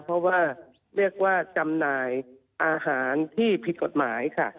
เพราะว่าเรียกว่าจำหน่ายอาหารที่ผิดกฎหมายค่ะ